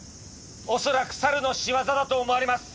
恐らくサルの仕業だと思われます！